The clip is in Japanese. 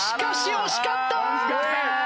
惜しかった！